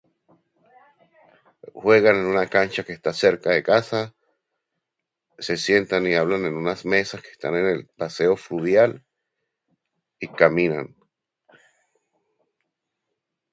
Juegan en una cancha que está cerca de casa. Se sientan y hablan en unas mesas que están en el Paseo Fluvial, y caminan.